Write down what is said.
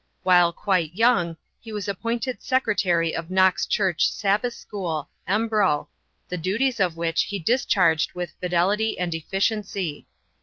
While quite young he was appointed Secretary of Knox Church Sabbath School, Embro, the duties of which he discharged with fidelity and efficiency.